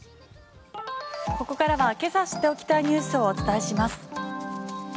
ここからはけさ知っておきたいニュースをお伝えします。